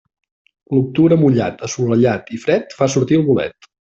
L'octubre mullat, assolellat i fred fa sortir el bolet.